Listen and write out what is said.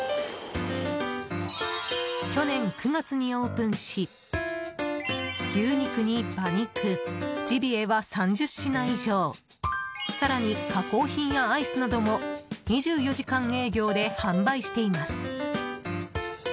去年９月にオープンし牛肉に馬肉、ジビエは３０品以上更に、加工品やアイスなども２４時間営業で販売しています。